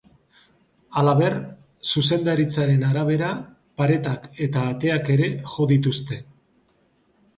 Halaber, zuzendaritzaren arabera, paretak eta ateak ere jo dituzte.